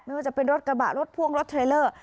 ไม่ว่าจะเป็นรถกระบะรถพ่วงรถเทรลเลอร์